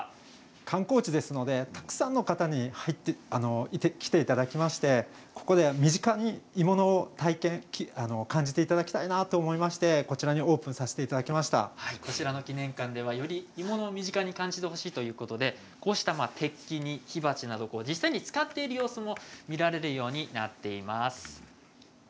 観光地ですのでたくさんの方に来ていただきまして身近に鋳物を体験感じていただきたいなと思いまして、こちらにこちらの記念館ではより鋳物を身近に感じてほしいということで鉄器や火鉢を実際に使っている様子も見られるようになっています。